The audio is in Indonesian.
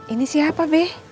ini siapa be